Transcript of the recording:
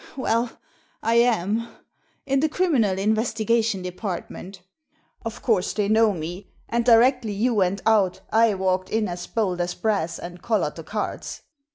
"Well, I am — in the Criminal Investigation De partment. Of course they know me, and directly you went out I walked in as bold as brass and collared the cards."